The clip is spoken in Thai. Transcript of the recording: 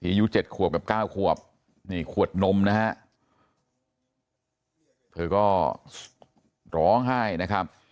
พี่ยูเจ็ดขวบกับเก้าขวบนี่ขวดนมนะฮะเธอก็ร้องให้นะครับ